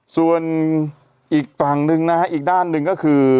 ส่วนอีกฝั่งหนึ่งนะฮะอีกด้านหนึ่งก็คือ